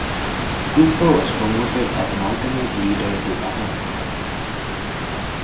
Cooper was promoted as an alternate leader to Ahern.